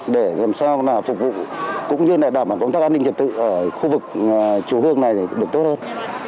để làm sao phục vụ cũng như là đảm bảo công tác an ninh trật tự ở khu vực chùa hương này được tốt hơn